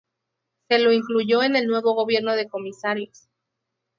Se lo incluyó en el nuevo Gobierno de comisarios.